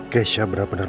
kek syah bener bener